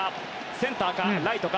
センターか、ライトか。